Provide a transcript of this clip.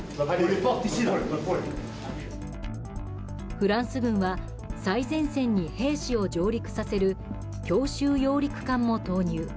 フランス軍は最前線に兵士を上陸させる強襲揚陸艦も投入。